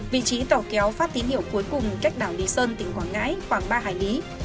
vị trí tàu kéo phát tín hiệu cuối cùng cách đảo lý sơn tỉnh quảng ngãi khoảng ba hải lý